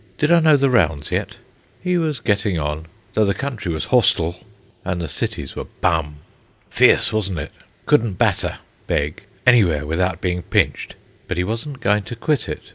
Did I know the rounds yet? He was getting on, though the country was "horstyl" and the cities were "bum." Fierce, wasn't it? Couldn't "batter" (beg) anywhere without being "pinched." But he wasn't going to quit it.